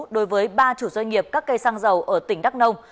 đối với ba chủ doanh nghiệp các cây xăng dầu ở tỉnh đắk nông